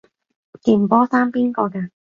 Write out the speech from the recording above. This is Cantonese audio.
件波衫邊個㗎？